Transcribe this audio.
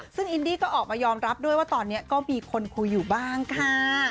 ซึ่งอินดี้ก็ออกมายอมรับด้วยว่าตอนนี้ก็มีคนคุยอยู่บ้างค่ะ